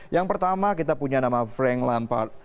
yang pertama kita punya nama frank lampard